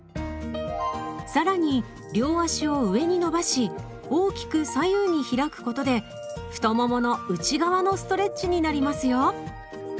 更に両足を上に伸ばし大きく左右に開くことで太ももの内側のストレッチになりますよ。